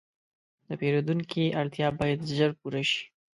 د پیرودونکي اړتیا باید ژر پوره شي.